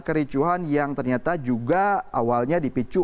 kericuhan yang ternyata juga awalnya dipicu